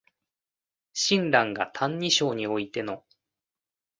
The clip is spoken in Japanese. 親鸞が「歎異抄」においての